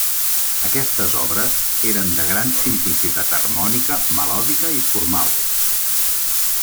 Aquestes obres eren de gran simplicitat harmònica, melòdica i formal.